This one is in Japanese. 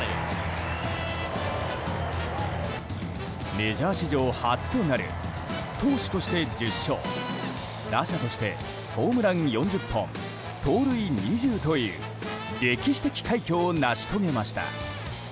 メジャー史上初となる投手として１０勝打者としてホームラン４０本盗塁２０という歴史的快挙を成し遂げました！